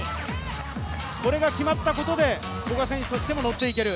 これが決まったことで古賀選手としてもノッていける。